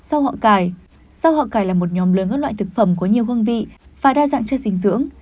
sau họ cải rau họ cải là một nhóm lớn các loại thực phẩm có nhiều hương vị và đa dạng cho dinh dưỡng